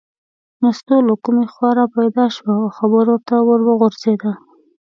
مستو له کومې خوا را پیدا شوه او خبرو ته ور وغورځېده.